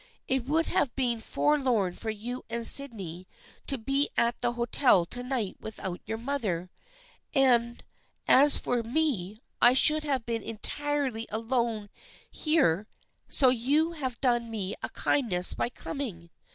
" It would have been forlorn for you and Sydney to be at the hotel to night without your mother, and as for me, I should have been entirely alone here, so you have done me a kindness by coming.